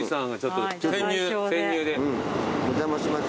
お邪魔します。